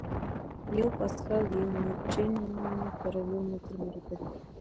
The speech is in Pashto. یو پاسکل د یو نیوټن پر یو متر مربع دی.